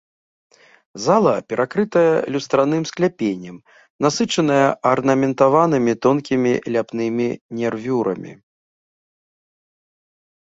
Зала перакрытая люстраным скляпеннем, насычаная арнаментаванымі тонкімі ляпнымі нервюрамі.